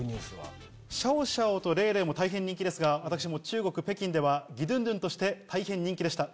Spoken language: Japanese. シャオシャオとレイレイも大変人気ですが私も中国・北京ではギドゥンドゥンとして大変人気でした。